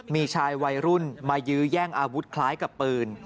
มีชายวัยรุ่นมายื้อแย่งอาวุธคล้ายกับปืน